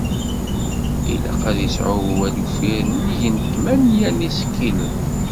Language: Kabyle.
Ilaq ad isεu wawal uffir nnig n tmanya n yisekkilen.